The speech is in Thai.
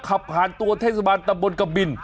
ขับผ่านตัวเทศบาลตำบลกะบิน